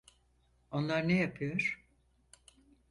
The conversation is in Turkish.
Onlar ne yapıyor?